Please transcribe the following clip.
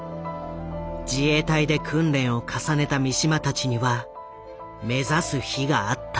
自衛隊で訓練を重ねた三島たちには目指す日があった。